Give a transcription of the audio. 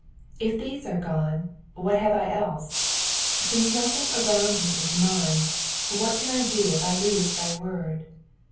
'*^ If these are gone, what have I else ? Since nothing around me IS mine, what can I do<if I lose thy word?